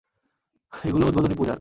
এগুলো উদ্বোধনী পূজার।